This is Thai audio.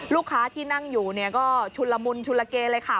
ลูกค้าที่นั่งอยู่เนี่ยก็ชุนละมุนชุลเกเลยค่ะ